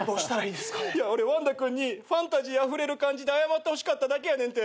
いや俺ワンダ君にファンタジーあふれる感じで謝ってほしかっただけやねんて。